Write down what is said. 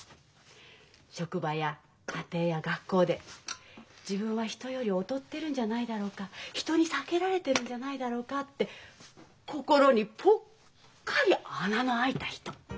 職場や家庭や学校で自分は人より劣ってるんじゃないだろうか人に避けられてるんじゃないだろうかって心にぽっかり穴の開いた人。